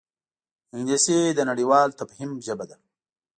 انګلیسي د نړیوال تفهیم ژبه ده